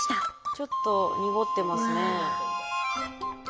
ちょっと濁ってますね。